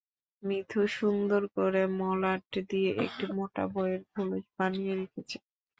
মিথু সুন্দর করে মলাট দিয়ে একটা মোটা বইয়ের খোলস বানিয়ে রেখেছে।